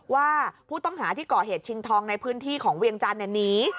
ว่าผู้ต้องหาที่ก่อเหตุชิงทองในพื้นที่ของเวียงจันทร์หนี